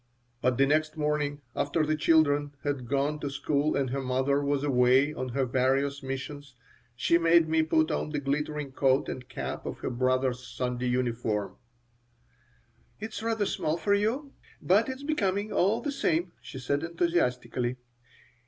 But the next morning, after the children had gone to school and her mother was away on her various missions, she made me put on the glittering coat and cap of her brother's Sunday uniform "It's rather too small for you, but it's becoming all the same," she said, enthusiastically.